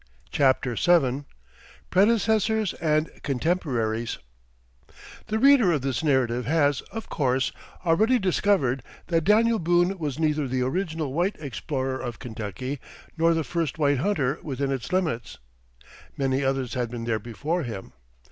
CHAPTER VII PREDECESSORS AND CONTEMPORARIES The reader of this narrative has, of course, already discovered that Daniel Boone was neither the original white explorer of Kentucky nor the first white hunter within its limits. Many others had been there before him.